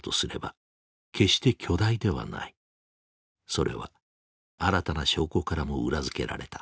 それは新たな証拠からも裏付けられた。